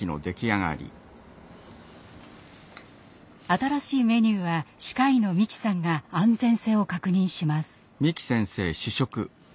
新しいメニューは歯科医の三木さんが安全性を確認します。